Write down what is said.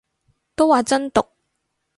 都話真毒